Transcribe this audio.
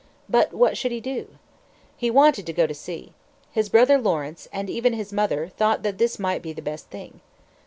But what should he do? He wanted to go to sea. His brother Lawrence, and even his mother, thought that this might be the best thing.